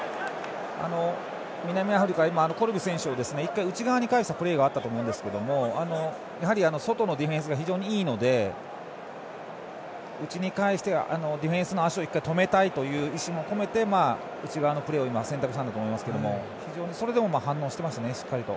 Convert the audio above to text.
南アフリカ、コルビ選手を１回、内側に返したプレーがあったと思いますがやはり外のディフェンスが非常にいいので内に返して、ディフェンスの足を１回止めたいという意思も込めて内側のプレーを選択したと思いますがそれでも反応してましたね。